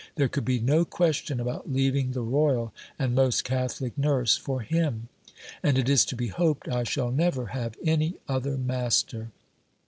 There could be no question about leaving the royal and most catholic nurse for him ; and it is to be hoped, I shall never have any other master.